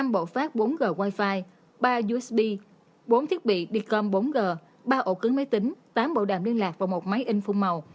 năm bộ phát bốn g wi fi ba usb bốn thiết bị điện com bốn g ba ổ cứng máy tính tám bộ đàm liên lạc và một máy in phung màu